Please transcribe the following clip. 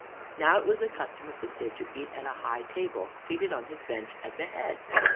Now it was the custom of the Cid to eat at a high table, seated on his bench, at the head.